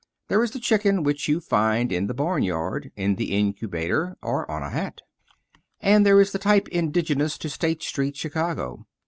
There is the chicken which you find in the barnyard, in the incubator, or on a hat. And there is the type indigenous to State Street, Chicago.